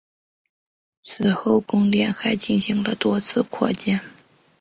此后宫殿还进行了多次扩建。